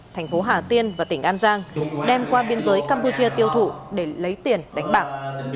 thành phố hà tiên và tỉnh an giang đem qua biên giới campuchia tiêu thụ để lấy tiền đánh bạc